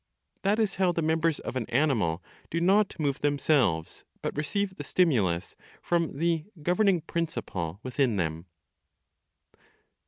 That is how the members of an animal do not move themselves, but receive the stimulus from the "governing principle" within them.